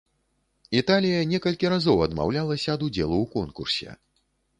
Італія некалькі разоў адмаўлялася ад удзелу ў конкурсе.